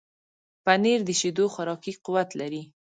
پنېر د شیدو خوراکي قوت لري.